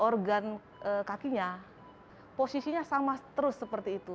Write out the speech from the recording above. organ kakinya posisinya sama terus seperti itu